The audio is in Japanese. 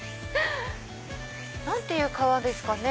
何ていう川ですかね？